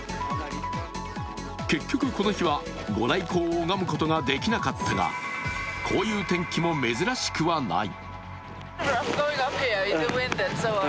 結局、この日は御来光を拝むことはできなかったがこういう天気も珍しくはない。